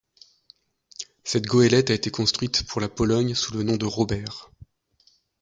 Cette goélette a été construite pour la Pologne sous le nom de Robert.